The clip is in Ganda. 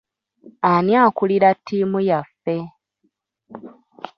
Ani akulira ttiimu yaffe?